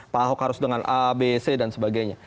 pak ahok harus dengan a b c dan sebagainya